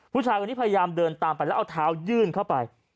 ผู้ชายคนนี้พยายามเดินตามไปแล้วเอาเท้ายื่นเข้าไป